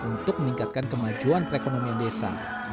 dan juga untuk meningkatkan kemajuan perekonomian desa